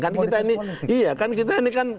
komoditas politik iya kan kita ini kan